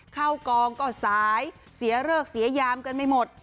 เข้ากองก็สายเสียเลิกเสียยามกันไม่หมด